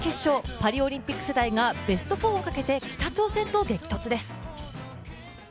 パリオリンピック世代がベスト４をかけて北朝鮮と激突です。